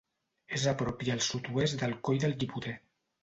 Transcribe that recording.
És a prop i al sud-oest del Coll del Llipoter.